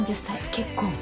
「３０歳結婚」